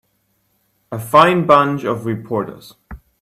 A fine bunch of reporters.